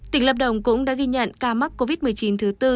tỉnh lâm đồng cũng đã ghi nhận ca mắc covid một mươi chín thứ tư